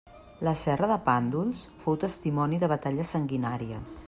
La serra de Pàndols fou testimoni de batalles sanguinàries.